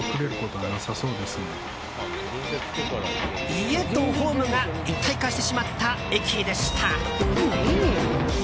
家とホームが一体化してしまった駅でした。